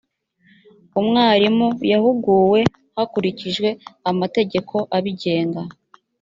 mwarimu yahuguwe hakurikijwe amategeko abigenga.